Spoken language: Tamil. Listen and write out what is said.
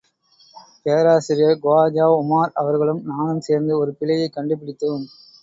பேராசிரியர் குவாஜா உமார் அவர்களும், நானும் சேர்ந்து ஒரு பிழையைக் கண்டு பிடித்தோம்.